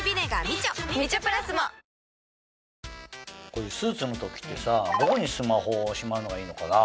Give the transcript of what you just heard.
こういうスーツの時ってさどこにスマホをしまうのがいいのかな？